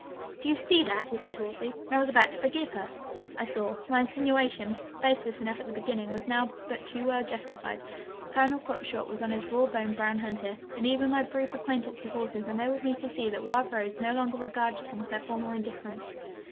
'Do you see that?' he said hoarsely. 'And I was about to forgive her!' I saw: my insinuation, baseless enough at the beginning, was now but too well justified. Colonel Cockshott was on his raw boned brown hunter, and even my brief acquaintance with horses enabled me to see that Wild Rose no longer regarded him with her former indifference.